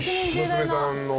娘さんの。